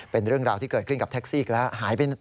เป็นเรื่องราวที่เกิดขึ้นกับแท็กซี่อีกแล้วหายไป